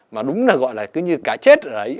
mà đúng là gọi là cứ như cá chết ở đấy